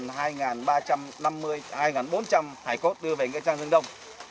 hai nghìn bốn trăm linh hải cốt đưa về nghĩa trang dương đông